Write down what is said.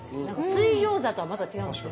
水餃子とはまた違うんですね。